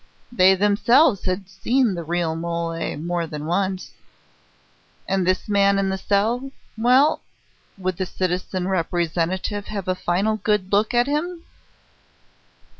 they themselves had seen the real Mole more than once ... and this man in the cell.... Well, would the citizen Representative have a final good look at him?